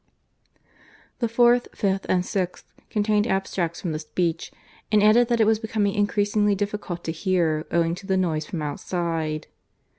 The fourth, fifth, and sixth contained abstracts from the speech, and added that it was becoming increasingly difficult to hear, owing to the noise from outside.